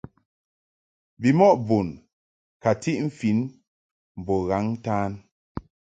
Bimɔʼ bun ka ntiʼ mfin mbo ghaŋ-ntan.